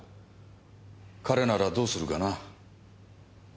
彼ならどうするかな？は？